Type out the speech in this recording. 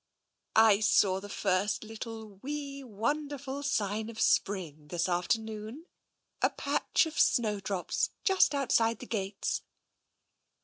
" I saw the first little, wee, wonderful sign of spring this afternoon. A patch of snowdrops, just outside the gates.'